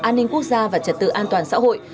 an ninh quốc gia và trật tự an toàn xã hội